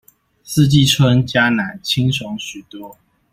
四季春加奶清爽許多